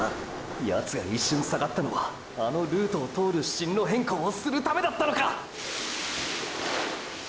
ヤツが一瞬下がったのはあのルートを通る進路変更をするためだったのか！！